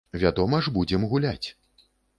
Вядома ж, будзем гуляць.